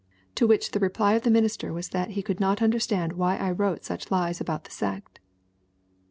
To which the reply of the minister was that he could not under stand why I wrote such lies about the sect!"